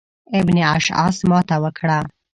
ابن اشعث ماته وکړه.